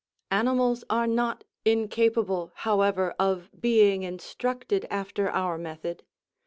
Animals are not incapable, however, of being instructed after our method.